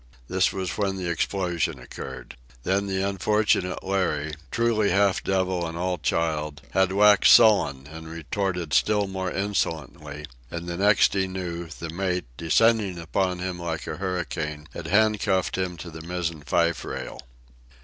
This was when the explosion occurred. Then the unfortunate Larry, truly half devil and all child, had waxed sullen and retorted still more insolently; and the next he knew, the mate, descending upon him like a hurricane, had handcuffed him to the mizzen fife rail.